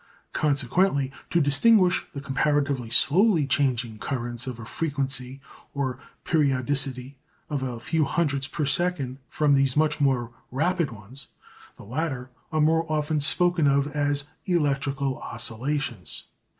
Consequently, to distinguish the comparatively slowly changing currents of a "frequency" or "periodicity" of a few hundreds per second from these much more rapid ones, the latter are more often spoken of as electrical oscillations.